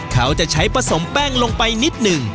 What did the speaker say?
เขาจะใช้ผสมแป้งลงไปนิดหนึ่ง